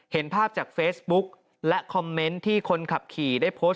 เห็นภาพจากเฟซบุ๊กและคอมเมนต์ที่คนขับขี่ได้โพสต์